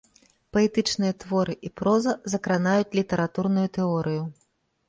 Паэтычныя творы і проза закранаюць літаратурную тэорыю.